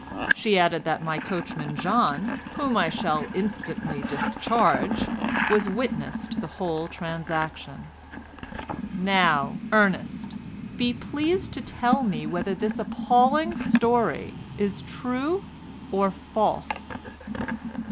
She added that my coachman John—whom I shall instantly discharge—was witness to the whole transaction. Now, Ernest, be pleased to tell me whether this appalling story is true or false?"